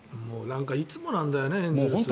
いつもなんだよねエンゼルス。